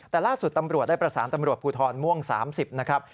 แต่ล่าสุดตำรวจได้ประสานตำรวจภูทรม่วง๓๐นะครับ